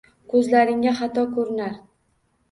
Koʼzlaringga xato koʼrinar